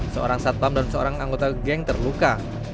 seorang satpam dan seorang anggota geng terluka